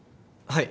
はい。